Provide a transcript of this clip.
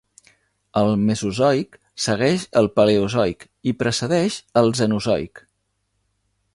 El Mesozoic segueix el Paleozoic i precedeix el Cenozoic.